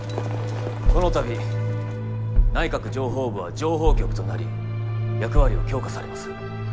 この度内閣情報部は情報局となり役割が強化されます。